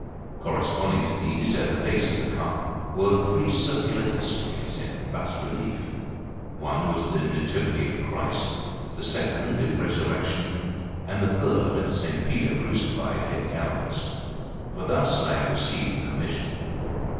Corresponding to these, at the base of the cup, were three circular histories in bas relief. One was the Nativity of Christ, the second the Resurrection, and the third S. Peter crucified head downwards; for thus I had received commission.